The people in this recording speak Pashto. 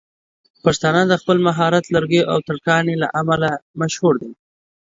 پښتانه د خپل مهارت لرګيو او ترکاڼۍ له امله مشهور دي.